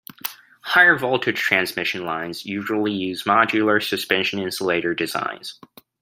Higher voltage transmission lines usually use modular suspension insulator designs.